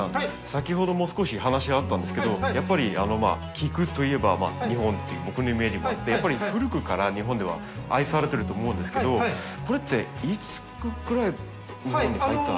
先ほども少し話があったんですけどやっぱり菊といえば日本っていう僕のイメージもあってやっぱり古くから日本では愛されてると思うんですけどこれっていつぐらい日本に入った？